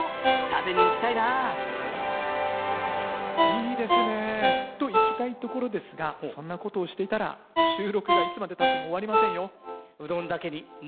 食べに行きたいないいですね！といきたいところですがそんなことをしていたら収録がいつまでたっても終わりませんよ。